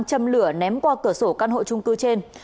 châm lửa ném qua cửa sổ căn hộ trung cư trên